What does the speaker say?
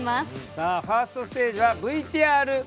さあファーストステージはＶＴＲクイズです。